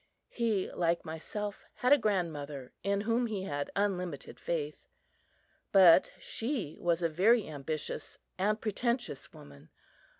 He, like myself, had a grandmother in whom he had unlimited faith. But she was a very ambitious and pretentious woman.